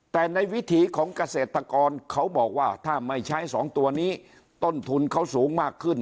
แต่ในวิถีของเกษตรกรเขาบอกว่าถ้าไม่ใช้สองตัวนี้ต้นทุนเขาสูงมากขึ้น